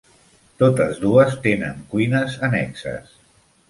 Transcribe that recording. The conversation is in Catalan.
Totes dues tenen cuines annexes.